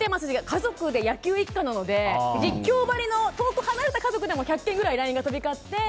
家族で野球一家なので遠く離れた家族でも１００件ぐらいＬＩＮＥが飛び交って。